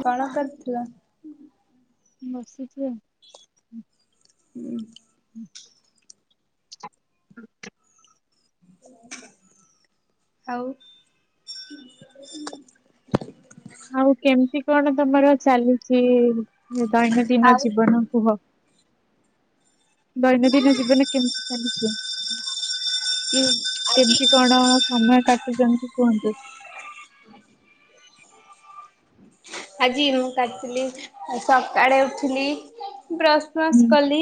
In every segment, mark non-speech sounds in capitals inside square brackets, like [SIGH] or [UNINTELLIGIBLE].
କଣ କରଥିଲ? ବସିଚି ଆଉ। ହୁଁ। ଆଉ ଆଉ କେମିତି କଣ ତମର ଚାଲିଛି ଦୈନନ୍ଦିନ ଆଉ ଜୀବନ କୁହ ଦୈନନ୍ଦିନ ଜୀବନ କେମିତି ଚାଲିଚି? [UNINTELLIGIBLE] କଣ ସମୟ କାଟୁଚନ୍ତି କୁହନ୍ତୁ? ଆଜି ମୁଁ କରିଥିଲି ସକାଳେ ଉଠିଲି ବ୍ରସ୍ ଫ୍ରସ୍ ହୁଁ କଲି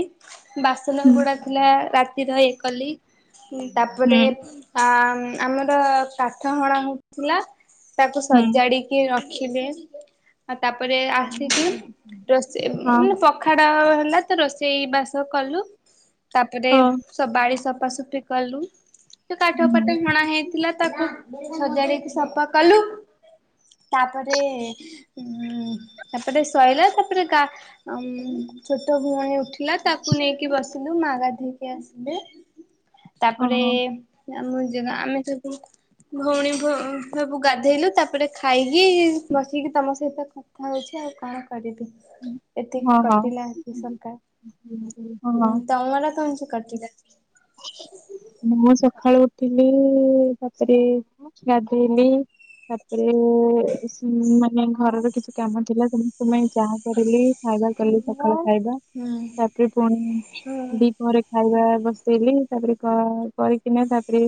ବାସନ ହୁଁ ଗୁଡ଼ା ଥିଲା ରାତିର ଇଏ କଲି ହୁଁ ତାପରେ ଆ ଆମର କାଠ ହଣା ହଉଥିଲା ତାକୁ ହୁଁ। ସଜାଡିକି ରଖିଲି ଆଉ ତାପରେ ଆସିିକି ରୋଷେଇ ହଁ ଉଁ ପ ପଖାଡ ହେଲା ତ ରୋଷେଇ ବାସ କଲୁ ତାପରେ ହଁ ସବୁ ବାଡି ସଫାସଫି କଲୁ ସେ କାଠ ହୁଁ ଫାଠ ହଣା ହେଇଥିଲା ତାକୁ ସଜାଡିକି ସଫା କଲୁ ତାପରେ ଉଁ ତାପରେ ଶଇଲା ତାପରେ ଗା ଉଁ ଛୋଟ ଭଉଣୀ ଉଠି ଉଠିଥିଲା ତାକୁ ନେଇକି ବସିଲୁ ମା ଗାଧେଇକି ଆସିଲେ ତାପରେ ଓହୋ ଆମ ଜାଗ ଆମେ ସବୁ ଭଉଣୀ ଫ ସବୁ ଗାଧେଇଲୁ ତାପରେ ଖାଇକି ବ ବସିକି ତମ ସହିତ କଥା ହଉଛି ଆଉ କଣ କରିବି। ଏଠି ହଁ କଟିଲା ହଁ। ସକାଳ ହଁ ହଁ। ତମର କେତି କଟିଲା? [UNINTELLIGIBLE] ମୁଁ ସକାଳୁ ଉଠିଲି ତାପରେ ଗାଧେଇଲି ତାପରେ ଉଁ ମାନେ ଘରର କିଛି କାମ ଥିଲା ସମସ୍ତ ପାଇଁ ଚା ହା କରିଲି। ଖାଇବା କଲି ସକାଳ ଖାଇବା ହୁଁ। ତାପରେ ପୁଣି ଦିପହଁ ରେ ଖାଇବା ବ ସ୍ଲେଲିଙ୍ଗ୍ କରିବା କରିକିନା ତାପରେ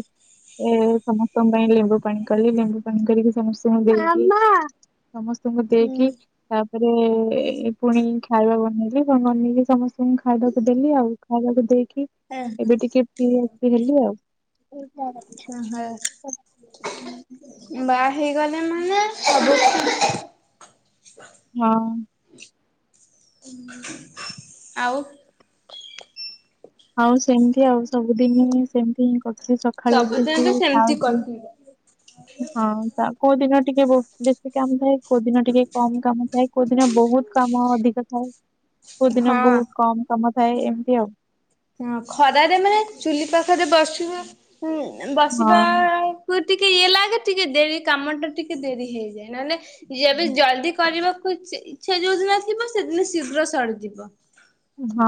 ଏ ସମସ୍ତଙ୍କ ପାଇଁ ଲେମ୍ବୁ ପାଣି କଲି ଲେମ୍ବୁ ପାଣି କରିକି ସମସ୍ତଙ୍କୁ ଦେ ସମସ୍ତଙ୍କୁ ଦେଇକି ହୁଁ ତା ରେ ପୁଣି ଖାଇବା ବନେଇଲିଣି ବନେଇକି ସମସ୍ତଙ୍କୁ ଖାଇବାକୁ ଦେଲି ଆଉ ଖାଇବାକୁ ଦେଇକି ଏବେ ଟିକେ ଫ୍ରି ଏ ହେଲି ଆଉ। [UNINTELLIGIBLE] [UNINTELLIGIBLE] ହଁ। [INAUDIBLE] ଆଉ ଆଉ ସେମିତି ଆଉ ସବୁଦିନ ହିଁ ସେମିତି ହିଁ କରୁଛି ସକାଳୁ ସବୁଦିନ ଉଠିକି ତ ସେମିତି ଖାଉଚି। କଟିବ ହଁ ତ କୋଉ ଦିନ ଟିକେ ବେଶୀ କାମ ଥାଏ କୋଉ ଦିନ ଟିକେ କମ୍ କାମ ଥାଏ। କୋଉଦିନ ବହୁତ୍ କାମ ଅଧିକ ଥାଏ, କୋଉଦିନ ହଁ। ବହୁତ୍ କମ୍ କାମ ଥାଏ ଏମିତି ଆଉ। ହ ଖରାରେ ମାନେ ଚୁଲି ପାଖରେ ବସିବା, ବସିବା ହଁ। ଟିକେ ଇ ଲଗେ ଟିକେ ଦେରି କାମ ଟା ଟିକେ ଦେରି ହେଇଯାଏ ନହେଲେ ଯେବେ ଜଲଦି କରିବାକୁ ଇଚ୍ଛା ଯୋଉଦିନ ଥିବ ସେଦିନ ଶୀଘ୍ର ସରିଯିବ। ହଁ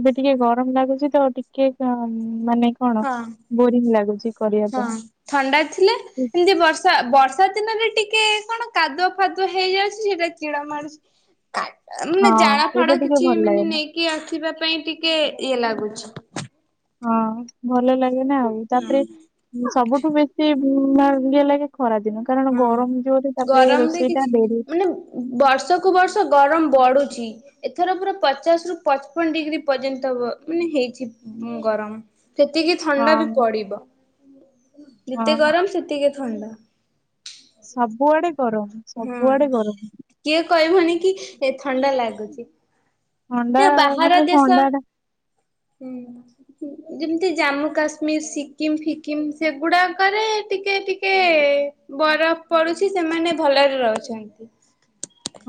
ଏବେ ଟିକେ ଗରମ୍ ଲାଗୁଛି ତ ଟିକେ ମାନେ କଣ ହଁ ବୋରିଂ ଲାଗୁଛି କରିବା ହଁ ପାଇଁ। ଥଣ୍ଡା ଥିଲେ? ଏମତି ବର୍ଷା ବର୍ଷା ଦିନରେ ଟିକେ କଣ କାଦୁଆ ଫାଦୁଆ ହେଇଯାଉଛି ସେଟା ଟିଣ ମାଡି ମାନେ ହଁ ଜାଳ ଫାଡ ସେଇଟା ଟିକେ କିଛି ଭଲ ମାନେ ଲାଗେନି। ନେଇକି। କି ଆସିବା ପାଇଁ ଟିକେ ଇଏ ଲାଗୁଛି। ହଁ ଭଲ ଲାଗେ ନା ଆଉ ତାପରେ ହଁ ସବୁଠୁ ବେଶୀ ଇଏ ଲାଗେ ଖରା ଦିନ। କାରଣ ହୁଁ ଗରମ୍ ଯୋଉଠି ତାପରେ ରୋଷେଇ ଟା ଡେରି। ବର୍ଷକୁ ବର୍ଷ ଗରମ୍ ବଢୁଛି। ଏଥର ପୁରା ପଚାଶ ରୁ ପଚ୍ ପନ୍ ଡିଗ୍ରୀ ପର୍ଯ୍ୟନ୍ତ ମାନେ ହେଇଛି ଗରମ। ସେତିକି ହଁ ଥଣ୍ଡା ବି ପଡିବ, ହଁ ଯେତେ ଗରମ ସେତିକି ଥଣ୍ଡା। ସବୁଆଡେ ଗରମ୍, ହୁଁ। ସବୁଆଡେ ଗରମ୍। କିଏ କହିବନି କି ଏ ଥଣ୍ଡା ଲାଗୁଛି। ଥଣ୍ଡା ବାହାର ମାନେ ଦେଶ, ଥଣ୍ଡା ଟା ହୁଁ ଯେମିତି ଜାମ୍ମୁ କାଶ୍ମମିର୍ ସିକିମ୍ ଫିକିମ୍ ସେଗୁଡ଼ାକରେ ଟିକେ ଟିକେ ବରଫ ପଡୁଛି ସେମାନେ ଭଲରେ ରହୁଛନ୍ତ।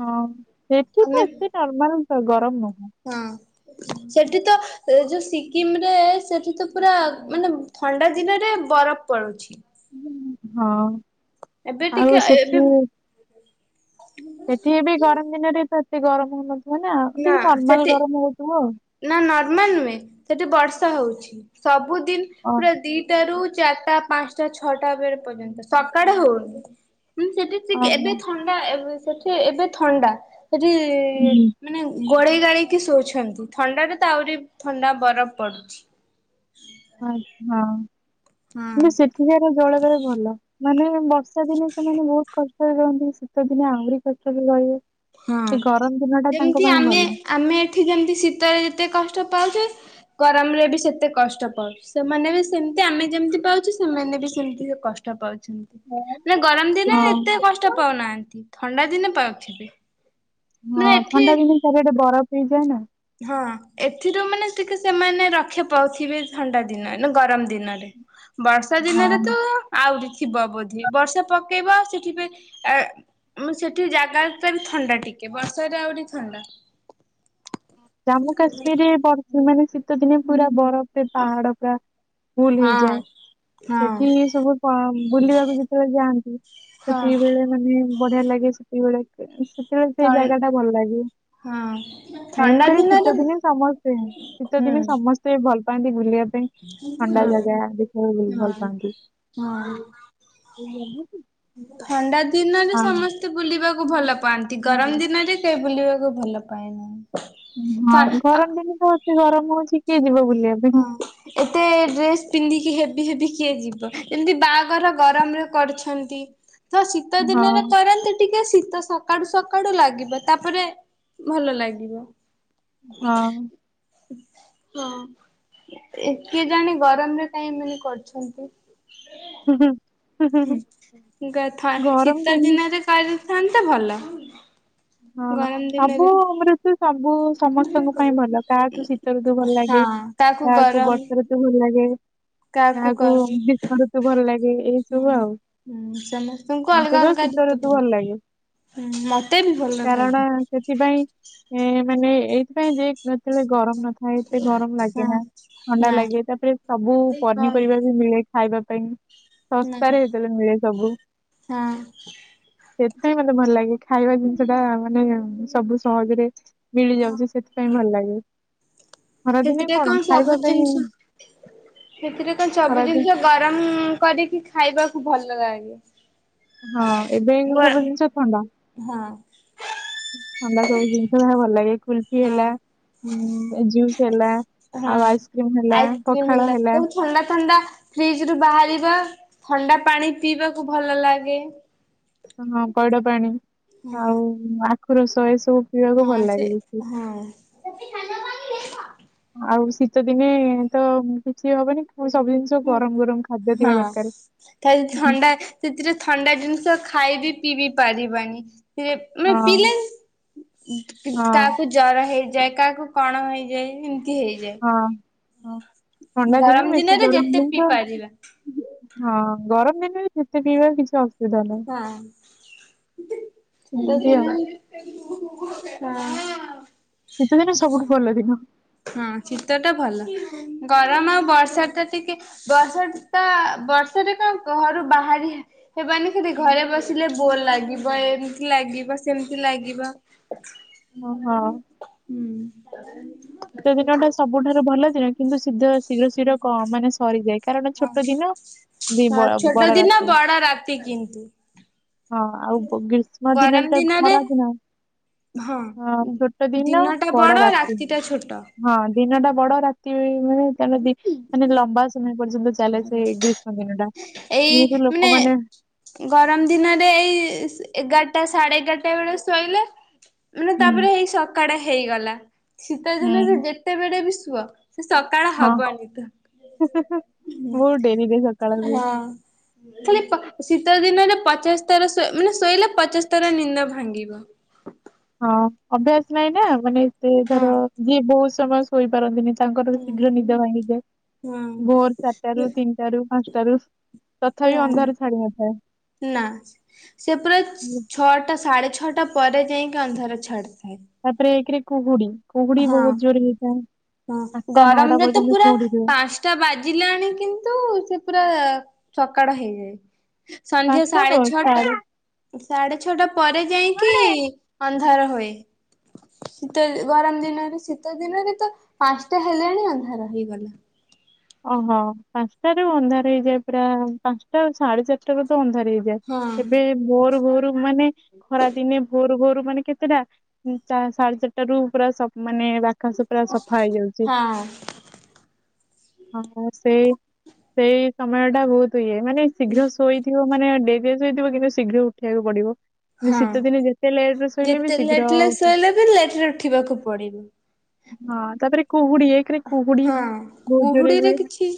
ହଁ ସେଠି ତ ଏତେ ନର୍ମାଲ ଗରମ୍ ନୁହଁ। ହଁ ସେଠି ତ ଏ ଯୋଉ ସିକିମ୍ ରେ ସେଠି ତ ପୁରା ମାନେ ଥଣ୍ଡା ଦିନରେ ବରଫ ପଡୁଛି। ହଁ, ଏବେ ଆଉ ଟିକେ ଏବେ ସେଠୁ ସେଠି ବି ଗରମ୍ ଦିନରେ ତ ଏତେ ଗରମ୍ ହଉନଥିବ ନା ଟିକେ ନର୍ମାଲ ଗରମ୍ ହଉଥିବ ଆଉ। ନା ନର୍ମାଲ ନୁହେଁ, ସେଠି ବର୍ଷା ହଉଛି ସବୁଦିନ ଓ ପୁରା ଦି ଦଟାରୁ ଚାରିଟା ପାଞ୍ଚଟା ଛଅଟା ବେଳେ ପର୍ଯ୍ୟନ୍ତ ସକାଳେ ହଉନି, ହୁଁ ସେଠି ସିକ୍ ଓହୋ ଏବେ ଥଣ୍ଡା ଏ ସେଠି ଏବେ ଥଣ୍ଡା ହୁଁ ସେଠି-ଇ-ଇ-ଇ ଗୋଳେଇ ଗାଳେଇକି ଶୋଉଛନ୍ତି ଥଣ୍ଡାରେ ତ ଆହୁରି ଥଣ୍ଡା ବରଫ ପଡୁଛି। ଆ ହଁ ହଁ। କିନ୍ତୁ ସେଠ କାର ଜଳ ବାୟୁ ଭଲ। ମାନେ ବର୍ଷା ଦିନେ ସେମାନେ ବହୁତ୍ କଷ୍ଟରେ ରୁହନ୍ତି ଶୀତ ଦିନେ ଆହୁରି କଷ୍ଟରେ ରହିବେ। ହଁ। ଏ ଗରମ ଦିନଟା ତାଙ୍କ ଯେମିତି ପାଇଁ ଆମେ ଭଲ। ଆମେ ଏଠି ଯେମିତି ଶୀତରେ ଯେତେ କଷ୍ଟ ପାଉଚେ ଗରମରେ ବି ସେତେ କଷ୍ଟ ପାଉଚେ। ସେମାନେ ବି ସେମିତି ଆମେ ଯେମିତି ପାଉଚୁ। ସେମାନେ ବି ସେମିତି କଷ୍ଟ ପାଉଛନ୍ତି। ନାଇଁ ବୋଉ ଗରମ ଦିନେ ହଁ ଏତେ କଷ୍ଟ ପାଉନାହାନ୍ତି। ଥଣ୍ଡା ଦିନେ ପାଉଥିବେ। ମାନେ ହଁ ଏଠି ଥଣ୍ଡା ଦିନେ ଚାରି ଆଡ଼େ ବରଫ ହେଇଯାଏ ନାଁ। ହଁ ଏଥିରୁ ମାନେ ଟିକେ ସେମାନେ ରକ୍ଷା ପାଉଥିବେ ଥଣ୍ଡା ଦିନ ନା ଗରମ ଦିନ। ବର୍ଷା ଦିନରେ ହଁ। ତ ଆହୁରି ଥିବ ବୋଧେ ବର୍ଷା ପକେଇବ ସେଠି ବି ଆଁ ଆମର ସେଠି ଜାଗାଟା ବି ଥଣ୍ଡା ଟିକେ ବର୍ଷାରେ ଆହୁରି ଥଣ୍ଡା। ଜାମ୍ମୁ କାଶ୍ମୀର ବର୍ ମାନେ ଶୀତ ଦିନେ ପୁରା ବରଫ। ସେ ପାହାଡ଼ ପୁରା ଫୁଲ୍ ହଁ ହେଇଯାଏ। ହଁ ଏଠି ସବୁ କଣ ବୁଲିବାକୁ ଯେତେବେଳେ ଯାଆନ୍ତି। ହଁ ସେତିକି ବେଳେ ମାନେ ବଢ଼ିଆ ଲାଗେ ସେତିକି ବେଳେ ସେତେବେଳେ ଥ ସେ ଜାଗାଟା ଭଲ ଲାଗିବ। ହଁ ମେନ୍ ଥଣ୍ଡା କରି ଦିନରେ ହୁଁ ଶୀତଦିନେ ସମସ୍ତେ ହଁ ଶୀତଦିନେ ସମସ୍ତେ ଭଲ ପାଆନ୍ତି ବୁଲିବା ପାଇଁ। ଥଣ୍ଡା ହଁ ଜାଗା ଦେଖିବା ବି ଭଲ ପାଆନ୍ତି। ହଁ ଥଣ୍ଡା ଦିନରେ ସମସ୍ତେ ବୁଲିବାକୁ ଭଲ ପାଆନ୍ତି। ଗରମ ଦିନରେ ସେ ବୁଲିବାକୁ ଭଲ ପାଏ ନାହିଁ। ହଁ ଗରମ ଦିନି ତ ଅତି ଗରମ ହଉଛିି। କିଏ ଯିବ ବୁଲି? ହଁ ଏତେ ଡ୍ରେସ ପିନ୍ଧିକି ହେଭି ହେଭି କିଏ ଯିବ? ଯେମିତି ବାହାଘର ଗରମରେ କରୁଛନ୍ତି। ତ ଶୀତ ହଁ ଦିନରେ କରନ୍ତି। ଟିକେ ଶୀତ ସକାଳୁ ସକାଳୁ ଲାଗିବ। ତାପରେ ଭଲ ଲାଗିବ। ହଁ ଶୁଅ ଏତେ ଜଣେ ଗରମରେ କାହିଁ ମାନେ କରୁଛନ୍ତି। ଉଁ ହୁଁ ହୁଁ କି କଥା ଗରମ ଶୀତ ଦିନେ ଦିନରେ କରୁଥାନ୍ତେ ଭଲ। ହଁ ଗରମ ସବୁ ଦିନରେ ହଁ ଋତୁ ସବୁ ସମସ୍ତଙ୍କ ପାଇଁ ଭଲ କାହାକୁ ଶୀତଋତୁ ଭଲ ଲାଗେ। କାହାକୁ ବର୍ଷାଋତୁ ଭଲ ଲାଗେ। କାହାକୁ ଗ୍ରୀଷ୍ମ ଋତୁ ଭଲ ଲାଗେ। ଏଇ ସବୁ ହୁଁ ଆଉ। ହୁଁ ସମସ୍ତଙ୍କୁ ମତେ ତ ଶୀତ ଋତୁ ଭଲ ଲାଗେ। ଏ ମତ୍ କାରଣ ସେଥିପାଇଁ ଏ ମାନେ ଏଇଥିପାଇଁ ଯେ ସେତେବେଳେ ଗରମ ନଥାଏ। ହଁ ଏତେ ଗରମ ହଁ ଲାଗେ ନା ଥଣ୍ଡା ନା ଲାଗେ। ତାପରେ ସବୁ ହଁ ପନିପରିବା ବି ମିଳେ। ଖାଇବା ପାଇଁ ନା ହଁ ଶସ୍ତାରେ ହେତେବେଳେ ମିଳେ ସବୁ। ସେଥିପାଇଁ ମତେ ଭଲ ଲାଗେ ଖାଇବା ଜିନିଷ। ସେଟା ମାନେ ସବୁ ସହଜରେ ମିଳି ଯାଉଚି। ସେଥିପାଇଁ ଭଲ ଲାଗେ। ଖରାଦିନେ ସେଥିରେ କଣ ଖାଇବା ସବୁ ପାଇଁ ଜିନିଷ ସେଥିରେ କଣ ସବୁ ଖରାଦିନ ଜିନିଷ ଗରମ କରିକି ଖାଇବାକୁ ଭଲ ଲାଗେ। ହଁ ଏବେ ଏଇ ଗ ସବୁ ଜିନିଷ ଥଣ୍ଡା। ହଁ ଥଣ୍ଡା ସବୁ ଜିନିଷ ଯାହା ହଉ ଭଲ ଲାଗେ। କୁ କୁଲିଫି ହଁ। ହେଲା ଉଁ ଜୁସ୍ ହେଲା ହଁ ଆଉ ଆଇସ୍କ୍ରିମ ହେଲା ଆଇସ୍କ୍ରିମ ପଖାଳ ହେଲା। ସବୁ ଥଣ୍ଡା ଥଣ୍ଡା। ଫ୍ରିଜରୁ ବାହାରିବା ଥଣ୍ଡା ପାଣି ପିଇବାକୁ ଭଲ ଲାଗେ। ହଁ ପଇଡ଼ ପାଣି ହଁ ଆଉ ଆଖୁ ରସ ଏ ସବୁ ପିଇବାକୁ ହଁ ଭଲ ସେ ଲାଗେ ବେଶୀ। ହଁ ଆଉ ଶୀତ ଦିନେ ତ କିଛି ହବନି ଫୁଣି ସବୁ ଜିନଷ ହୁଁ ହଁ ଖାଲି ହୁଁ। ଥଣ୍ଡା ସେଥିରେ ଥଣ୍ଡା ଜିନଷ ଖାଇବି ପିବି ପାରିବାନି। ପିବେ ମାନେ ହଁ ପିଇଲେ ହଁ କାହାକୁ ଜ ଜର ହେଇଯାଏ କାହାକୁ କଣ ହେଇଯାଏ ଇମତି ହେଇଯାଏ। ହଁ ହଁ ଥଣ୍ଡା ଦିନେ ଗରମ ବେଶୀ ଦିନରେ ଗରମ ଯେତେ ପିଇ ଜିନଷ ପାରିବା ହୁଁ ହଁ ଗରମ ଦିନରେ ଯେତେ ପିଇବା କିଛି ଅସ ହଁ ଶୀତ ଏମିତି ଆଉ। ଦିନେ ହିଁ ହଁ। ଶୀତ ଦିନ ସବୁଠୁ ଭଲ ଦିନ। ହଁ ଶୀତଟା ଭଲ ଗରମ ଆଉ ବର୍ଷାତ ଟିକେ ବର୍ଷା ଟା ବର୍ଷାରେ କଣ ଘରୁ ବାହାରି ହେବାନି। କିନ୍ତି ଘରେ ବସିଲେ ବୋର ଲାଗିବ ଏମତି ଲାଗିବ ସେମତି ଲାଗିବ। ଓ ହଁ। ହୁଁ। ଶୀତ ଦିନଟା ସବ୍ ବୁଠାରୁ ଭଲ ଯେ କିନ୍ତୁ ସିଧ ଶୀଘ୍ର ଶୀଘ୍ର କମ ମାନେ ସରିଯାଏ। କାରଣ ହଁ ଛୋଟ ଦିନ ବି ବଡ଼ ବଡ଼ ରାତି। ହଁ ରାତି କିନ୍ତୁ ହଁ ଆଉ ଗ ଗ୍ରୀଷ୍ମ ଦିନ ଗରମ ତ ଦିନରେ ଖରା ଦିନ। ହଁ ଛୋଟ ଦିନ ଟା ବଡ଼ ବଡ ରାତି। ଟା ଛୋଟ। ହଁ ଦିନ ଟା ବଡ଼ ରାତି ମାନେ ତା ମାନେ ଲମ୍ବା ସମୟ ପର୍ଯ୍ୟନ୍ତ ଚା ତାହେଲେ ସେ ଗ୍ରୀଷ୍ମ ଦିନଟା ଏଇ ଯେହେତୁ ମାନେ ଲୋକମାନେ ଗରମ ଦିନରେ ଏଇ ସେ ଏଗାରଟା ସାଢ଼େଏଗାରଟା ବେଳେ ଶୋଇଲେ ମାନେ ହୁଁ ତାପରେ ହେଇ ସକାଡ଼ ହେଇଗଲା ଶୀତ ଦିନରେ ହୁଁ ଯେତେବେଳେ ବି ସୁଅ ସେ ସକାଳ ହବନି ତ। ହୁଁ ହୁଁ ହୁଁ ବହୁତ ଡ଼େରିରେ ସକାଳ ହୁଏ। ହଁ। ଖାଲି ପ ଶୀତ ଦିନରେ ପଚାଶ ଥର ଶୋ ମାନେ ଶୋଇଲେ ପଚାଶ ଥର ନିନ୍ଦ ଭାଙ୍ଗିବ। ହଁ ଅଭ୍ୟାସ ନାଇଁ ନା ମାନେ ଏତେ ହଁ। ଧର ଯିଏ ବହୁତ ସମୟ ଶୋଇପାରନ୍ତିନି ତାଙ୍କର ବି ହୁଁ ଶୀଘ୍ର ନିଦ ଭାଙ୍ଗିଯାଏ ହୁଁ। ଭୋର ମୁଁ ଚାରଟାରୁ ତିନଟାରୁ ପାଁଶଟାରୁ। ନା ସେ ପୁରା ହୁଁ। ଛଅଟା ସାଢ଼େ ଛଅଟା ପରେ ଯାଇଁକି ଅନ୍ଧାର ଛାଡ଼ିଥାଏ। ତାପରେ ଏକେରେ କୁହୁଡି, କୁହୁଡି ବହୁ ଜୋରେ ହେଇଥାଏ। ହୁଁ ଆଠଟା ନଅଟା ଗରମରେ ତ ପର୍ଯ୍ୟନ୍ତ ପୁରା କୁହୁଡି ରୁହେ ପାଁଶ ଟା ବାଜିଲାଣି କିନ୍ତୁ ସେ ପୁରା ଆ ଆ ସକାଳ ହେଇଯାଏ। ସନ୍ଧ୍ୟା ପାଞ୍ଚଟା ସାଢେ ନୁହଁ ଛଅଟା ସାଢେ ସାଢେ ଛଅଟା ପରେ ଯାଇଁକି ଅନ୍ଧାର ହୋଏ ଶୀତ ଦି ଗରମ ଦିନରେ ଶୀତ ଦିନରେ ତ ପାଁଶଟା ହେଲାଣି ଅନ୍ଧାର ହେଇଗଲା। ଓହୋ ପାଁଶଟାରୁ ଅନ୍ଧାର ହେଇଯାଏ ପୁରା ପାଁଶଟା ସାଢେ ଚାରଟାରୁ ତ ଅନ୍ଧାର ହେଇ ଯାଏ ହଁ ଏବେ ଭୋରୁ ଭୋରୁ ମାନେ ଖରାଦିନେ ଭୋରୁ ଭୋରୁ ମାନେ କେତେଟା? ଉଁ ଚା ସାଢ଼େ ଚାରଟା ରୁ ପୁରା ସ ମାନେ ଆକାଶ ପୁରା ସଫା ହେଇଯାଉଚି। ହଁ। ହଁ ସେ ସେ ସମୟଟା ବହୁତ ଇଏ ମାନେ ଶୀଘ୍ର ଶୋଇ ଥିବ ମାନେ ଡେରିରେ ଶୋଇଥିବ କିନ୍ତୁ ଶୀଘ୍ର ଉଠିବାକୁ ପଡିବ। ହଁ ଶୀତ ଦିନେ ଯେତେ ଲେଟରେ ଶୋଇଲେବି ଯେତେ ଶୀଘ୍ର ଲେଟ ଲେ ହଁ ଶୋଇଲେ ବି ଲେଟ ରେ ଉଠିବାକୁ ପଡିବ ତାପରେ କୁହୁଡି ଏକରେ କୁହୁଡି ହଁ ବହୁତ ଜୋରେ କୁହୁଡିରେ ହୁଏ କିଛି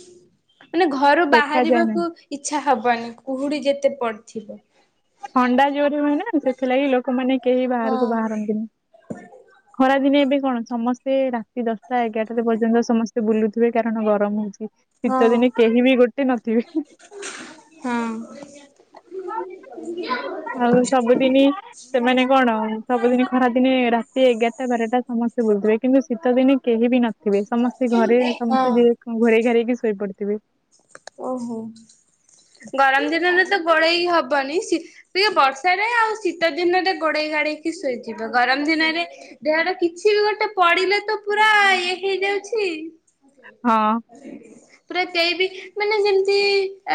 ମାନେ ଘରୁ ଦେଖାଯାଏ ନାହିଁ ବାହାରିବାକୁ ଇଚ୍ଛା ହବନି, କୁହୁଡି ଯେତେ ପଡିଥିବ। ଥଣ୍ଡା ଜୋରେ ମାନେ ସେଥିଲାଗି ଲୋକମାନେ କେହି ହଁ ବାହାରକୁ ବାହାରନ୍ତିନି। ଖରା ଦିନେ ଏବେ କଣ ସମସ୍ତେ ରାତି ଦଶଟା ଏଗାରଟା ପର୍ଯ୍ୟନ୍ତ ସମସ୍ତେ ବୁଲୁଥିବେ କାରଣ ଗରମ ହଉଛି। ଶୀତ ହଁ ଦିନେ କେହିବି ଗୋଟେ ନଥିବେ। ହଁ ଆଉ ସବୁଦିନି ସେମାନେ କଣ ସବୁଦିନ ଖରାଦିନେ ରାତି ଏଗାରଟା ବାରଟା ସମସ୍ତେ ବୁଲଥିବେ କିନ୍ତୁ ଶୀତ ଦିନେ କେହିବି ନ ଥିବେ ସମସ୍ତେ ଘରେ ହଁ ସମସ୍ତେ ଯିଏ ଘରେ ଘୋରେଇ ଘାରେଇକି ଶୋଇପଡିଥିବେ। ଓହୋ ଗରମ ଦିନରେ ତ ଗୋଳେଇ ହବନି, ଶୀତ ଟିକେ ବର୍ଷାରେ ଆଉ ଶୀତ ଦିନରେ ଗୋଡେଇ ଗାଡେଇକି ଶୋଇଯିବ। ଗରମ ଦିନରେ ୟାଡେ କିଛି ବି ଗୋଟେ ପଡିଲେ ତ ପୁରା ଇଏ ହେଇଯାଉଛି। ହଁ। ପୁରା କେହି ବି ମାନେ ଯେମିତି ଅ